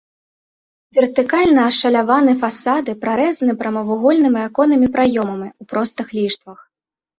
Вертыкальна ашаляваныя фасады прарэзаны прамавугольнымі аконнымі праёмамі ў простых ліштвах.